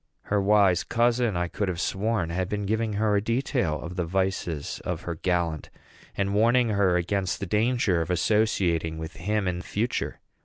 Her wise cousin, I could have sworn, had been giving her a detail of the vices of her gallant, and warning her against the dangers of associating with him in future.